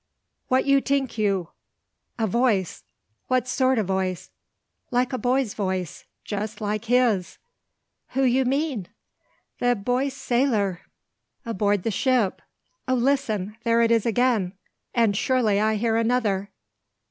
"What you tink you?" "A voice." "What sort o' voice?" "Like a boy's voice, just like his." "Who you mean?" "The boy sailor aboard the ship. O, listen! There it is again; and surely I hear another?"